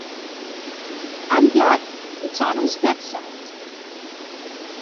I'm glad it's on his website.